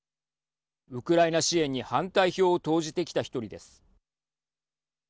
ウクライナ支援に反対票を投じてきた１人です。